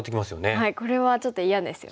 これはちょっと嫌ですよね。